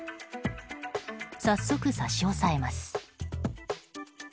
早速、差し押さえます。